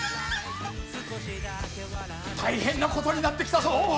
大変なことになってきたぞ。